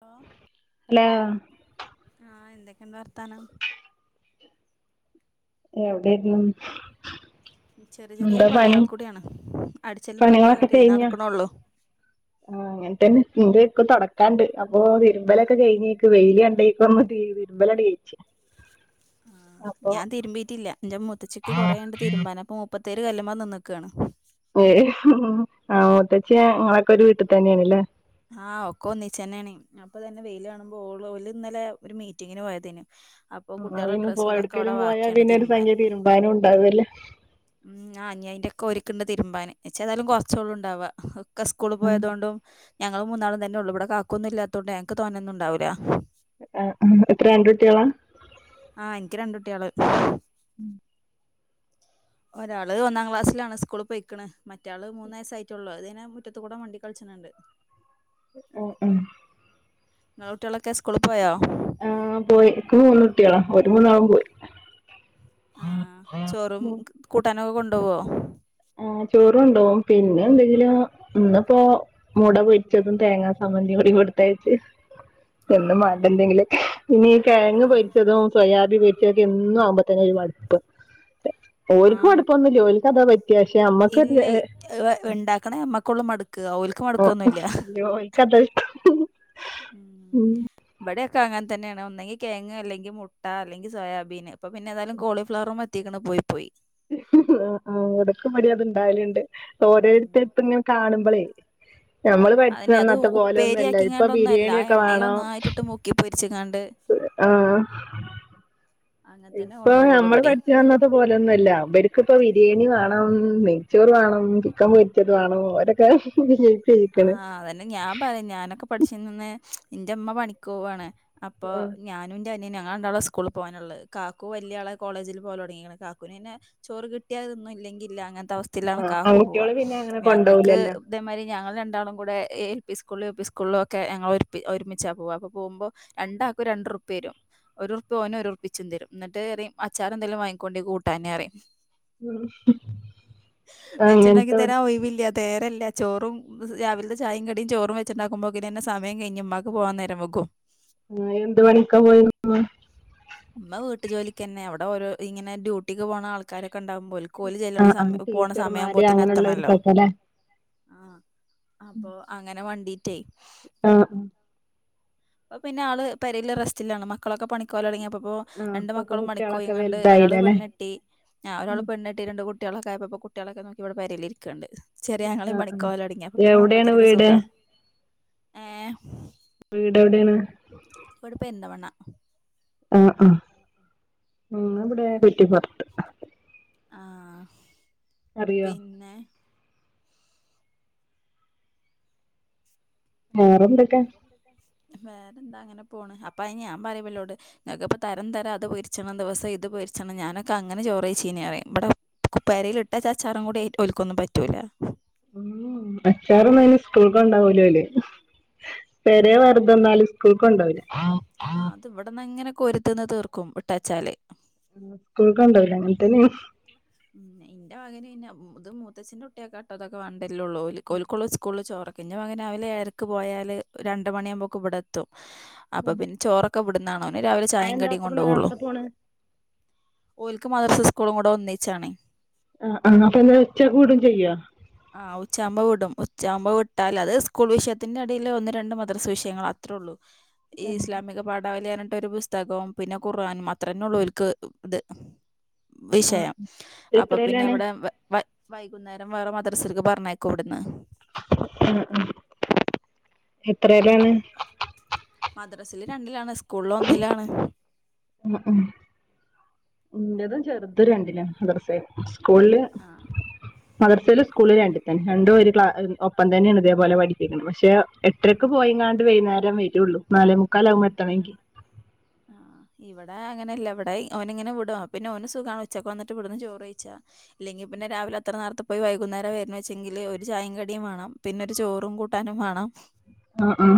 Hello hello ആ എന്ത ന്തെക്കെണ്ട് വർത്താനം? എവിടെയിരുന്നു? ചെറിയ ചെറിയ എന്താ പണി പണിയാൾ കുടിയാണ്. അടി പണികളൊക്കെ കഴിഞ്ഞ. ആ അങ്ങനെ തന്നെ തൊടക്കാണ്ട്. അപ്പോ തിരുമ്പലൊക്കെ കഴിഞ്ഞേക്ക് വെയില് കണ്ടേക്കൊന്ന് തിരുമ്പലാടഴിച്ച് ആ ഞാൻ തിരുമ്പിറ്റില്ല ന്റെ മുത്തച്ചിക്ക് കുറേ ഉണ്ട് തിരുമ്പാൻ അപ്പൊ മുപ്പ പത്തിയാര് കല്മ്മേ നിന്ന്ക്കാണ്. ഏ ഹ് ആ മുത്തച്ചി ഇങ്ങളൊക്കെ ഒരു വീട്ടിൽ തന്നെയാണ്ല്ലേ? ആ ഒക്ക ഒന്നിച്ചന്നേണ്. അപ്പൊ തന്നെ വെയില് കാണുമ്പോ ഓള് ഓല് ഇന്നലെ ഒരു മീറ്റിങ്ങിന് പോയതേനിം. അവര് പോ എവിടുക്കേലും പോയാപിന്നെ ഒരു തിരുമ്പാന് സംഖ്യ തിരുമ്പാനും ഉണ്ടാവും അല്ലേ? ഉം ആ ഇഞ്ഞയിന്റൊക്കെ ഓരിക്ക്ന്ന് തിരുമ്പാന് ഇച്ചെതായാലും കുറച്ചോളുണ്ടവാ ഒക്കെ സ്കൂള് പോയതോണ്ടും. ഞങ്ങൾ മൂന്നാളും തന്നെ ഉള്ളു ഇവ്ട് കാക്കൊന്നും ഇല്ലാത്തോണ്ട് ഞങ്ങക്ക് തോന്നേന്നുണ്ടാവൂല്ല. ആ എത്ര രണ്ടുട്ടിയാളാ? ആഹ് എനിക്ക് രണ്ട് കുട്ടികള് ഉം ഒരാള് ഒന്നാം ക്ലാസ്സിലാണ്, സ്കൂളി പൊയിക്ക്ണ്. മറ്റാള് മൂന്നയസ്സായിറ്റുള്ളു. അതിന്നെ മുറ്റത്ത് കൂടെ മണ്ടി കളിച്ച് ണ്ട് ഉ ഉം ഇങ്ങളെകുട്ടിയാളൊക്കെ സ്കുളിൽ പോയോ? ആ പോയി. ഇക്ക് മൂന്നുട്ടിയാളാ ഓരു മൂന്നാളും പോയി. ആ ചോറും, കൂട്ടാനൊക്കെ കൊണ്ടോവോ? ചോറും കൊണ്ടോകും, പിന്നെ എന്തെങ്കിലും ഇന്നിപ്പോ മുട പൊടിച്ചതും തേങ്ങാ സമ്മന്തിയും കൂടി കൊടുത്തയച്ചു എന്നും ആഹ് വാണ്ടേ എന്തോക്കിലൊ പിന്നീ കെഴങ്ങ് ആഹ് പൊരിച്ചതും സൊയാബി പൊരിച്ചതൊക്കെ എന്നും ആവുമ്പോത്തന്നെ ഒരു മടുപ്പ്. ഓൽക്ക് മടുപ്പൊന്നുല്ല. ഓൽക്ക അതാ പറ്റ് ഇല്ലേയ് ഇണ്ടാക്ക്ണ ഞമ്മക്കൊള്ളു മട് ഓൽക്ക് മട്ക്കൊന്നുംല്ല. ഓൽക്കതാ ഇഷ്ടം ഉം ഇവിടെ ക്ക അങ്ങനെ തന്നെയാണ്. ഒന്നെകിൽ കെയങ്ങ് അലെങ്കിൽ, മുട്ട അല്ലെങ്കിൽ, സോയാബീൻ. ഇപ്പൊപിന്നെ ഏതായാലും കോളിഫ്ലവറും എത്തിക്ക്ണ്. പ്പോ പൊയി പോയി ആ ആ ഉടക്ക് പടിയത്ണ്ടാവല്ണ്ട് ഓരോര്ത്ത അങ്ങനെ കാണുമ്പളേയ്? അതന്നെ അത് പോലെയൊന്നും അല്ല ഇപ്പൊ ഉപ്പേരിയാക്കിങ്ങാണ്ട് ഒന്നുംല്ല ബിരിയാണി ആ എണ്ണീൽ ഒന്നായിറ്റ്ട്ട് മുക്കി പൊരിച്ച ആ അങ്ങനെ തന്നെ ഇപ്പൊ കൊണ്ടോവുള്ളു ഞമ്മള് ഇബടിം പഠിച്ചു വന്നത് പോലൊന്നും അല്ല ഇവർക്ക് ഇപ്പോ ബിരിയേണി വേണം നെയ്ച്ചോറ് വാണം ചിക്കം പൊരിച്ചത് വാണം ഓരൊക്കെ ആ വിജയിച്ചിരിക്കണ് അതന്നെ ഞാൻ പറിം ഞാനൊക്കെ പഠിച്ചിനന്ന് ഇന്റെ ഇമ്മ പണികോവാണ്. അപ്പൊ ആഹ് ഞാനുന്റെ അനിയന ഞങ്ങളണ്ടാളോ സ്കൂളിൽ പോവാനുള്ളത് കാക്കു വല്ല്യാളായി കോളേജിൽ പോവലൊടങ്ങീക്ണ് കാക്കൂന്ന്ന്നേ ചോറ് കിട്ടിയാതിന്നും ഇല്ലെ ഇല്ലെകിൽ ഇല്ല അങ്ങനത്തെ അവസ്ഥയിലാണ് കാക്കു പോവാ ആൺകുട്ടികള് പിന്നെ അങ്ങനെ ഞങ്ങൾക്ക് കൊണ്ടോവൂലല്ലോ ഇതേമാരി രണ്ടാളും കൂടെ എ എൽ പി സ്കൂളിലും യൂ പി സ്കൂളിലൊക്കെ ഞങ്ങൾ ഒരു ഒരുമിച്ചാ പോക പോകുമ്പോൾ രണ്ടാക്കും രണ്ട ണ്ട്രുപ്യ രും ഒരുറിപ്പ്യ ഓനും ഒരു റിപ്പ്യ ച്ചും തരും എന്നിട്ട്അറിയും അച്ചാറെന്തെകിലും വാങ്ങിക്കൊണ്ടിം കൂട്ടാന്അറിം വെച്ച്ണ്ടാക്കി അങ്ങനത്തെ തരാൻ ഒയിവില്ല്യാ തേരല്ല ചോറും [unintelligible] രാവിലത്തെ ചായിം കടിം ചോറും വെച്ചുണ്ടാകുമ്പോക്കെന്നെ സമയം കഴിഞ്ഞ് മ്മാക്ക് പോവാൻ നേരം വെകും ആ എന്ത് പണിക്കാ പോയിനുമ്മ ട്ട്ജോലികന്നെ എവിടെ ഓരോ ഇങ്ങനെ ഡ്യൂട്ടിക്ക് പോണ ആൾക്കാരൊക്കെ ക്കെണ്ടാക്കും ഓല്ക് ഓൽ ചെല്ല്ണ ആഹ് ആഹ് സമയ പോണ സമയ ടീച്ചർമാര് ആവുമ്പോത്തിനെത്തണല്ലോ അങ്ങനെയുള്ളവർക്കൊക്കെ അല്ലേ ആ അപ്പൊ അങ്ങനെ മണ്ടീട്ടേ ആ അപ്പൊ പിന്നെ ആള് പെരീല് റെസ്റ്റിലാണ് മക്കളൊക്കെ പണിക്കോലടങ്ങിയപ്പോ പ്പോ ആഹ് രണ്ട് ഇപ്പൊക്കെ മക്കളും കുട്ടികളൊക്കെ മണിക്കോയിങ്ങാണ്ട് ഒരാൾ വലുതായില്ലല്ലേ പെണ്ണെട്ടി ഞ ഒരാൾ പെണ്ണെട്ടി രണ്ട് കുട്ട കുട്ടിയാളൊക്കെയപ്പോ കുട്ടിയാളൊക്കെ നോക്കി ഇവടെ പരീലിരിക്ക്ണ്ട് ചെറിയാങ്ങളിം ആഹ് പണിക്കോലടങ്ങി അപ്പൊ പിന്നെ എവിടെയാണ് മൂപ്പത്തിയാര്ക്ക് വീട് സുഖാ ഏ വീട് എവിടെയാണ് ഇവിട്പെരിന്തമണ്ണ അ ആ ങ്ങവുടെ കുറ്റിപ്പൊറത്ത് ആ പിന്നെ വേറെന്തൊക്കെ വേറെന്താ അങ്ങനെ പോണ് അപ്പയ്ന് ഞാൻ പറിം ഇവല്ലോട് ങ്ങക്കിപ്പോ തരം തരം അത് പൊരിച്ചെണം ദിവസം ഇത് പൊരി [unintelligible] ഞാനൊക്കെ അങ്ങനെ ചോറൈച്ചീനിറയും ഇവ്ടെ [unintelligible] പെരീല്ലിട്ടചച്ചാറും കൂടി ഒല്ക്കൊന്നും പറ്റൂല്ല മ് മ് അച്ചാറൊന്നുഅയ്ന് സ്കൂൾക്കൊണ്ടോവൂല ഓല് [unintelligible] പെരേ വെറുതെന്നാലും സ്കൂൾക്ക് കൊണ്ടോവില്ല ആ അത് ഇവെടെന്ന് ഇങ്ങനെ കൊരുതിന്ന് തീർക്കുംട്ടച്ചാല് സ്കൂൾക്ക് കൊണ്ടോവില്ല അങ്ങനെ തന്നെയാണ് ഇന്റെ മകന് ന്നെ ഇത് മൂത്തച്ഛന്റെ കുട്ടിയാക്കാട്ടോ ഇതൊക്കെ വാണ്ടൃരലൊള്ളൂ ഓൽക്ക് ഓൽക്കൊള്ളൂ സ്കൂളിൽചോ ഇന്റെ മകന് രാവിലെ ഏഴരക് പോയാൽ രണ്ടുമണി ആമ്പേക്ക് ഇബടെ എത്തും അപ്പൊ പിന്നെ ചോറൊക്കെ ഇബ്ടുന്നാണ് ഓന് രാവിലെ ചായിം അതെന്താ കടിം അത്ര കൊണ്ടോവൊള്ളൂ നേരത്തെ പോണ് ഓൽക്ക് മദർസും സ്കൂളും കൂടെ ഒന്നിച്ചാണെ അ ആ അപ്പൊന്ന് ഉച്ചക്ക് വിടും ചെയ്യോ ആ ഉച്ചാബോവിടും ഉച്ചാമ്പോ വിട്ടാൽ അത് സ്കൂൾ വിഷയത്തിന്റെടയിൽ ഒന്ന് രണ്ട് മദ്രസ് വിഷയങ്ങൾ അത്രേ ഉള്ളൂ ഈ ഇസ്ലാമിക പാഠ [unintelligible] ഇടവലിയാനിട്ട ഒരു പുസ്തകവും പിന്നെ ഖുർആനും അത്രന്നെ ഉള്ളൂ ഓൽക്ക് ഇത് ആ വിഷയം അപ്പൊ പിന്നെ എത്രയിലാണ് ഇവിടെ വ വ വൈകുന്നേരം വേറെ മ ദ്രസക്ക് പറഞ്ഞയക്കും വിടന്ന് അ അ എത്രല്ലാണ് മദ്രസില് രണ്ടിലാണ് സ്കൂളിൽ ഒന്നിലാണ് ഉ ഉം ഇൻ്റെതും ചെറുത് രണ്ടിലാ മദ്രസേല് സ്കൂളിൽ ആഹ് മദർസേലും സ്കൂളിലും രണ്ടു തന്നെ രണ്ടും ഒരു ക്ലാ ഒപ്പം തന്നെയാണ് ഇതേപോലെ പഠിപ്പിക്കുന്നത് പക്ഷെ ഇത്രയ്ക്ക് പോയിങ്ങാണ്ട് വൈന്നേരം വരോള്ളൂ നാലേ മുക്കാലാവും എത്തണങ്കിൽ ആഹ് ഇവിടെ അങ്ങനെയല്ല ഇവിടെ ഓന് ഇങ്ങനെ വിടും അപ്പോപിന്നെ ഓന് സുഖാണ് ഉച്ചക്ക് വന്നിട്ട് വിടന്ന് ചോറ്ഴിച്ചാ ഇല്ലെങ്കി പിന്നെ ന്നെ രാവിലെ അത്ര നാരത്തെ പോയി വൈകുന്നേരം വരണേച്ചെങ്കില് ഒരു ചായിം കടിയും വാണം പിന്നെ ഒരു ചോറും കൂട്ടാനും മാണം അ ആ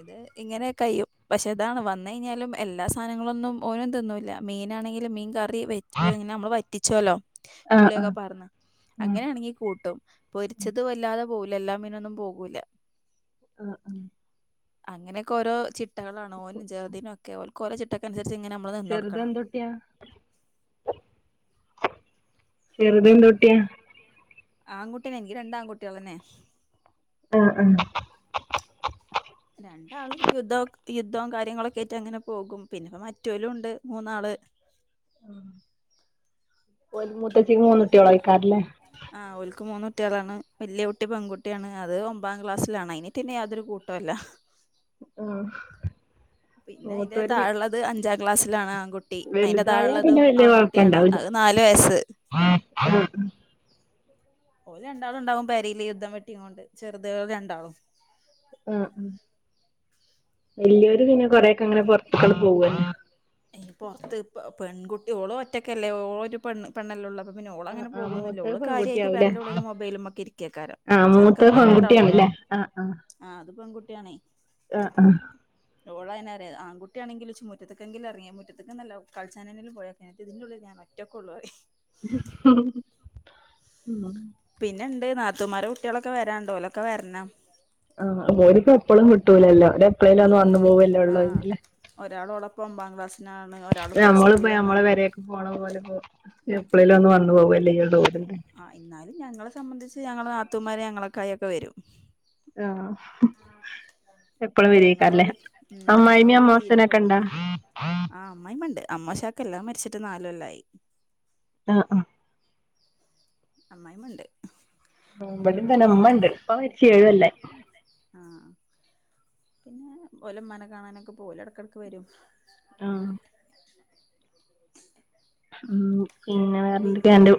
ഇത് ഇങ്ങനെ കഴിയും പക്ഷെ ഇതാണ് വന്നഴിഞ്ഞാലും എല്ലാ സാധനങ്ങളൊന്നും ഓനും തിന്നൂല്ല മീനാണെങ്കിൽ [unintelligible] മീൻ കറി വെറ്റ് നമ്മള് വറ്റിച്ചോലോ ആ ആ പുളിയൊക്കെ പാർന്ന് ആ അങ്ങനെയാണെങ്കി കൂട്ടും പൊരിച്ചത് വല്ലാതെ പോവൂല എല്ലാ മീനൊന്നും പോകൂല ആ ആ അങ്ങനെയൊക്കെ ഓരോ ചട്ടകാളാണ് ഓനും ജെർദിനൊക്കെ ഓൽക്ക് ഓരോ ചിട്ടക്കനുസരി [unintelligible] ഇങ്ങനെ നമ്മള് നിന്നൊടുക്കണം. ചെറുതെന്തുട്ടിയാ ചെറുത് എന്തൊട്ടിയാ? ആൺകുട്ടിതന്നെ എനിക്ക് രണ്ട ആൺകുട്ടികലുതന്നെ. ആ ആ രണ്ടാളും യുദ്ധവും, യുദ്ധവും കാര്യങ്ങളൊക്കെ ആട്ട് അങ്ങനെ പോകും. പിന്നെ മറ്റൊരും ഉണ്ട് മൂന്നാള്. അ മൂത്തച്ചിക്ക് മൂന്നുകുട്ടികൾ [unintelligible] ആ ഓൽക്ക് മൂന്ന് കുട്ടികളാണ് വലിയ കുട്ടി പെൺകുട്ടിയാണ്. അത് ഒമ്പാം ക്ലാസ്സിലാണ്. അതിനി പിന്നെ യാതൊരു കൂട്ടംല്ല. ആ പിന്നെ അതിന്റെ മൂത്തോര് പി താഴുള്ളത് അഞ്ചാം ക്ലാസ്സിലാണ്. ആൺകുട്ടി വലുതായ പിന്നെ അയിന്റെതാഴുള്ളതും വല്യ ആൺകുട്ടിയാണ്. കൊഴപ്പണ്ടാവൂല അത് നാലു വയസ്. ആഹ് ഓര് രണ്ടാളുണ്ടാവും പേരേല് യുദ്ധം വെട്ടികൊണ്ട് ചെറുതുകൾ രണ്ടാളും. ആ വല്ലൊരു പിന്നെ കൊറെക്കെ അങ്ങനെ പുൊറത്തുക്കൾ പോവ പൊറത്ത് ഇപ്പ പെൺകുട്ടി ഓള് ഒറ്റക്കല്ലേ ഓരു പെണ്ണ് പെണ്ണല്ലേ പിന്നെ ഓൾ ആഹ് അങ്ങനെ ആഹ് പോകുന്നുമില്ല. മൂത്തത് ഓൾ കാര്യയിട്ട് പെൺകുട്ടിയാവുല്ലേ പേരെൻ്റെ ഉള്ളിൽ മൊബൈലുമൊക്കെ ഇരിക്കക്കാ ചെറുക്കമാര രണ്ടാളും പോകും. ആ ആ ആ അത് പെൺകുട്ടിയാണേ. ആ ആ ഓള് [unintelligible] ആൺകുട്ടിയണെങ്കിലും ചുമുറ്റത്ത് [unintelligible] എർങ്ങി മുറ്റത്ത്ക്ക് ന്നല്ലാ കൾച്ചാനെന്നേലും പോയാ [unintelligible] ഇതിൻ്റുള്ളില് ഞാനൊറ്റക്കൊള്ളൂ പറിം. ഉ നാത്തമാരെ കുട്ടികളൊക്കെ വരാ ണ്ട് ഒലോക്കെ വരണം. ആ ഒരിപ്പോ എപ്പളും കിട്ടൂലല്ലോ എപ്പഴേും ഒന്ന് വന്നു ഇല്ല പോകല്ലോള്ളോ ആഹ് വീട്ടില്. ഒരാള് ഓളൊപ്പം ഒമ്പാം ക്ലാസ്സിനാണ് ഒരാള് പ്ലസ് നമ്മളിപ്പം ടുവിലാണ് നമ്മള പേരെക്ക് പോണ പോലെ ഇപ്പം എപ്പ [unintelligible] വന്നു പോകല്ലേ ചെയ്യുള്ളൂ. ആ എന്നാലും ഞങ്ങളെ സംബന്ധിച്ച് ഞങ്ങള നാത്തൂമാര് ഞങ്ങളക്കായി ഒക്കെ വരും. ആ എപ്പഴും വിരിയിക്കാറില്ലേ? ഞങ്ങളോള് അമ്മായിയമ്മയും, അമ്മാസനൊക്കെ ഇണ്ടാ ആ അമ്മയമ്മ ഇണ്ട്. അമ്ശാക്ക് എല്ലാം മരിച്ചിട്ട് നാലു കൊല്ലായി. ആ ആ അമ്മയമ്മ ഇണ്ട്. ഇവിടെന്ത ഉമ്മ ഉണ്ട്. ഉപ്പ മരിച്ച് എഴുകൊല്ലായി. ആഹ് പിന്നെ ഓല ഇമ്മാനെ കാണാനൊക്കെ പോവില്ലേ ഇടക്കിടക്ക് വരും. ആ ഉം പിന്നെ പിന്നെ വേറെന്തൊക്കെയണ്ട്.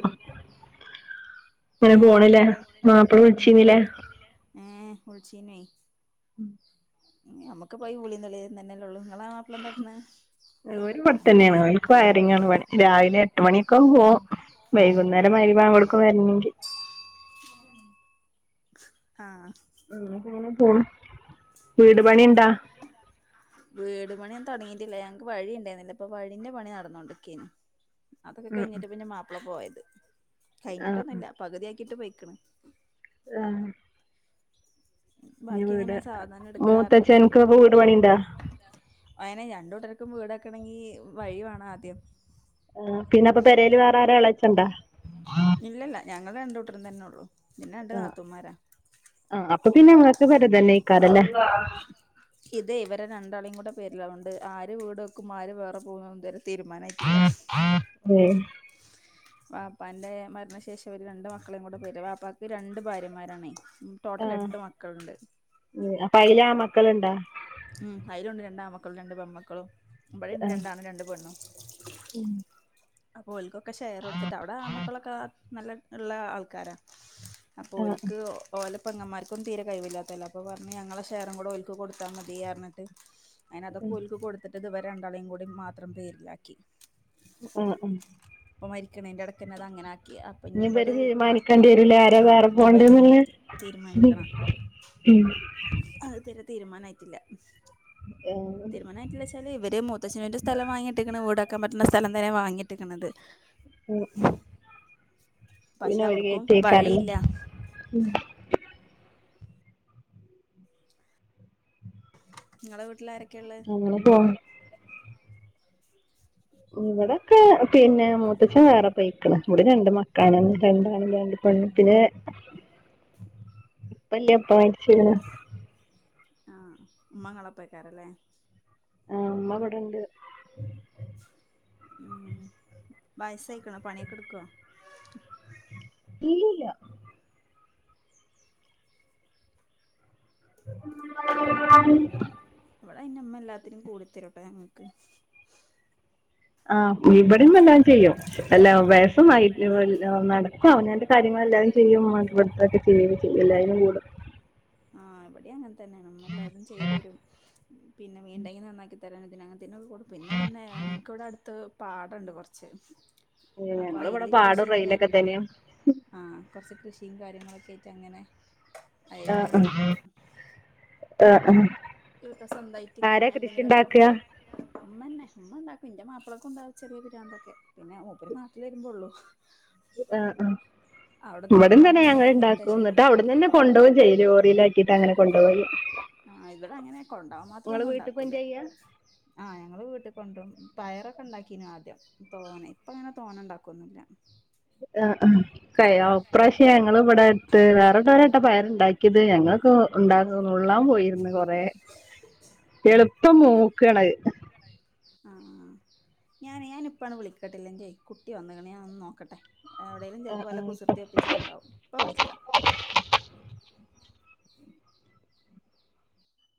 അങ്ങനെ ഏഹ് പോണില്ല മാപ്പള ഉം വച്ചീന്നിലെ [unintelligible] ഉം നമുക്ക് പയി [unintelligible] തന്നെല്ലഉള്ളൂ. [unintelligible] തന്നെയാണ് അവക്ക് വയറിങ്ങ ആണ് പണി. രാവിലെ എട്ടു മണി ഒക്ക പോ വൈകുന്നേരം ആഹ് വരിമ്പ അങ്ങോടൊക്കെ വരണെങ്കിൽ. ആ ഉങ്ങനെ പോണ്. വീട് പണിഉണ്ട? വീട് പണിയൊന്നും തുടങ്ങിയിട്ടില്ല ഞങ്ങക്ക് വഴി ഉണ്ടായിരുന്നില്ല അപ്പൊ വഴിന്റെ പണി നടന്നൊണ്ട് നില്ക്കാണ്. അതൊക്കെ ഉം ഉം കഴിഞ്ഞിട്ട് പിന്നെ മാപ്പള പോയത്. ആഹ് കഴിഞ്ഞിട്ടൊന്നും ഇല്ല പകുതിയാക്കിട്ട് പോയിക്കണ്. ആ ബാക്കി വീട് എങ്ങനെ സാധനം എടുക്കാറന്ന് ഉം മൂത്തച്ഛൻക് വീട് പണി ഇന്ടാ വീടക്കണെങ്കി വഴി വേണ ആദ്യം. ആ പിന്നെ അപ്പൊ പെരേൽ വേറെ ആരാ എളച്ചൻണ്ടാ? ഇല്ലല്ല ഞങ്ങൾ രണ്ടൂട്ടരും തന്നെ ഉള്ളു. പിന്നെ രണ്ട് ആഹ് നാത്തൂന്മാരാ. ആഹ് അപ്പൊ പിന്നെ നിങ്ങക്ക് പെര ഇതന്നെക്കാരല്ലേ. ഇതേ ഇവരെ രണ്ടാളിം കൂടെ പേരിലാ അതോണ്ട് ആര് വീട് വെക്കും ആര് വേറെ പോകുംന്നൊന്നും ഇതരേ തീരുമാനായിട്ടില്ലാ. ഏഹ് വാപ്പാന്റെ മരണശേഷം ഇവര് രണ്ടു മക്കളിം കൂടെ പേര് വാപ്പാക്ക് രണ്ടു ഭാര്യന്മാരാണേ. ആഹ് അപ്പ അയ്ലാമക്കള്ണ്ടാ? ഉം അയ്ലൂണ്ട് രണ്ടാമക്കളും രണ്ട് പെൺമക്കളും, ഇബടിണ്ട് രണ്ടാണും രണ്ട് പെണ്ണും. ഉം അപ്പോ ഓൽക്കൊക്കെ ഷെയറൊടുത്തിട്ട് അവിടെ ആൺമക്കളൊക്കെ നല്ല ഉള്ള ആൾക്കാരാ. അപ്പൊ ആഹ് ഓൽക്ക് ഓല പെങ്ങന്മാർക്കൊന്നും തീരെ കഴിവില്ലാത്തതല്ലേ അപ്പൊ പറഞ്ഞ് ഞങ്ങളെ ഷെയറും കൂടെ ഓൽക്ക് കൊടുത്താ മ തീയർഞ്ഞിട്ട് അയിനതൊക്കെ ഓൽക്ക് കൊടുത്തിട്ട് ഇതു വരെ രണ്ടാളെയും കൂടി മാത്രം പേരിലാക്കി. ആ അ ഇപ്പൊ മരിക്കണേന്റെ എടക്കന്നെ അതങ്ങനാ ഇനി ഇവര് തീരുമാനിക്കണ്ടി വരുലേ ആരാ വേറെ ഇനി ഇവ ഉം പോണ്ട്യേന്നുള്ള. തീരുമാനിക്കണം ഉം അത് ഇതരെ തീരുമാനായിട്ടില്ല. ഏഹ് ഉം തീരുമാനായിട്ട്ല്ലാ വെച്ചാല് ഇവര് മൂത്തച്ഛൻന്റെ സ്ഥലം വാങ്ങിട്ടിക്ക്ണ് വീട ക്കാൻ പറ്റ്ണ സ്ഥലം തന്നെ വാങ്ങിട്ടിക്ണത്. ഉം ഉ പക്ഷെ പിന്നെ ഓര് അവിട്ക്കും കേറ്റേക്കാരല്ലേ. വഴിയില്ല നിങ്ങളെ വീട്ടിലാരെ അങ്ങനെ പോണ്. ഇവിടൊക്കെ പിന്നെ മൂത്തച്ഛൻ വേറെ പെയ്ക്ണ്. ഇവടെ രണ്ട് മക്കളാണ് രണ്ടാണ് രണ്ട് പെണും. പിന്നെ ഇപ്പല്ല ഇപ്പ മര്ച്ച്ക്ണ്. ആഹ് ഉമ്മ ഇങ്ങളെപ്പേക്കാരല്ലേ? ആഹ് ഉമ്മ ബടണ്ട്. ഉം ബയസായിക്ണോ പണിയൊക്കെ ഇടുക്കോ? ഇല്ലില്ല. ഇവടെ അയിന് മ്മ എല്ലാത്തിനും കൂടിത്തരൂട്ടൊ ഞങ്ങക്ക്. ആഹ് ഇവട്യും എല്ലാം ചെയ്യും. എല്ലാ വെയസൊന്നു ആയിട്ടില്ല. [unintelligible] നടക്കും അവനാന്റെ കാര്യങ്ങളെല്ലാം ചെയ്യും. [unintelligible] അത് പോൽതൊക്കെ ചെയ്യൊക്കെ ചെയ്യും എല്ലായ്നും കൂടും. ആഹ് ഇവട്യിം അങ്ങൻതന്നേണ്. ഇമ്മ എല്ലാതും ചെയ്തരും. പിന്നെ മീണ്ടെങ്കി നന്നാക്കി തരാനും തിനും അങ്ങൻത്തേനൊക്കെ കൂടും. പിന്നെതന്നെ ഞങ്ങക്ക് ഇവിടെ അടുത്ത് പാടണ്ട് കൊർച്ച് ഏഹ് ങ്ങള് ഇവടെ പാടും റയിലൊക്കെ തന്ന്യാ. ആഹ് കൊറച്ച് കൃഷിയും കാര്യങ്ങളൊക്കെ ആയിട്ട് അങ്ങനെ അതായിട്ട ആഹ് അങ്ങനെ നടക്കും. ആഹ് ആഹ് [unintelligible] സ്വന്തായിട്ട് ഇങ്ങനെ ആരാ കൃഷി എന്തെങ്കിലൊക്കെ. ഉണ്ടാക്കുക ഇമ്മന്നെ ഇമ്മ ഉണ്ടാക്കും. ഇന്റെ മാപ്പ്ളക്കും ഉണ്ടാവും ചെറിയ പിരാന്തൊക്കെ. പിന്നെ മൂപ്പര് നാട്ടിൽ വരുമ്പോള്ളു. ആഹ് അഹ് ഇവടിം ഉമ്മാക്ക് തന്നെ ഇങ്ങനെ ഞങ്ങൾ ഇണ്ടാക്കും. നിർദ്ദേശം ഇന്നട്ട് കൊടുക്കും അവിട്ന്നന്നെ കൊണ്ടോവും ചെയ്യും ലോറിയിലാക്കിയിട്ട് അങ്ങനെ കൊണ്ടോവും. ആഹ് ഇവിടെ അങ്ങനെ കൊണ്ടാവാൻ മാത്ര ഒന്നും ഉണ്ടാക്കൂല. കൊണ്ടു ചെയ്യാ ആഹ് ഞങ്ങള് വീട്ട്ക് കൊണ്ട്രും. പയറൊക്കെ ഇണ്ടാക്കീനു ആദ്യം. തോനെ ഇപ്പം അങ്ങനെ തോനെ ഉണ്ടാക്കൊന്നില്ല. ആഹ് ആഹ് കയാ ഇപ്രാവശ്യ ഞങ്ങൾ ഇവടെട്ത്ത് വേറെള്ളോരാട്ടാ പയർണ്ടാക്കിയത് ഞങ്ങളൊക്കെ ഉണ്ടാക്കാൻ നുള്ളാൻ പോയിര്ന്ന്. കൊറേ എളുപ്പം മൂ [unintelligible] ആ ഞാൻ ഞാന ഇപ്പാണ് വിളിക്കട്ടില്ലെന്റെറെ കുട്ടി ഒണന്ന് ഞാൻ ഒന്ന് നോക്കട്ടെ എവടേലും ചെലപ്പോ ആഹ് വല്ല ആഹ് കുസൃതിയും ഒപ്പിച്ചിട്ടുണ്ടാവും. ഇപ്പൊ വിളിക്കാ